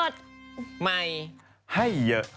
ได้